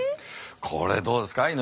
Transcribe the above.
これどうですか？